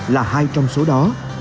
là hai trong số đó